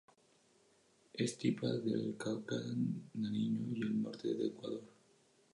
Es típica del Cauca, Nariño y el norte de Ecuador.